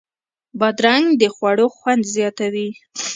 بادرنګ د خوړو خوند زیاتوي.